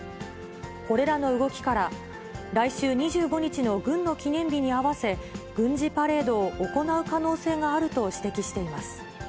これらの動きから、来週２５日の軍の記念日に合わせ、軍事パレードを行う可能性があると指摘しています。